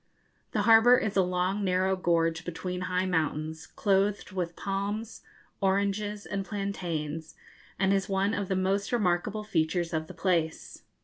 The harbour is a long narrow gorge between high mountains, clothed with palms, oranges, and plantains, and is one of the most remarkable features of the place.